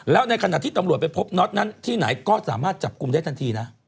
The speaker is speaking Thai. แล้วในขณะที่ตำรวจไปพบน็อตนั้นที่ไหนก็สามารถจับกลุ่มได้ทันทีนะ